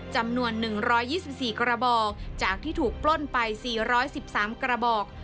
จำนวน๑๒๔กระบอกจากที่ถูกปล้นไป๔๑๓กระบอก